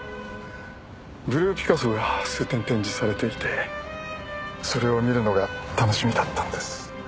ブルーピカソが数点展示されていてそれを見るのが楽しみだったんです。